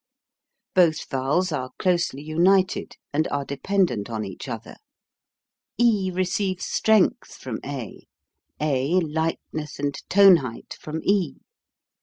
Both vowels are closely united and are dependent on each other. e receives strength from a ; a lightness and tone height from e.